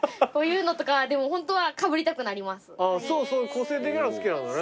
個性的なの好きなのね。